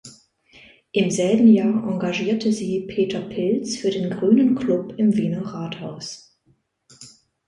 Im selben Jahr engagierte sie Peter Pilz für den Grünen Klub im Wiener Rathaus.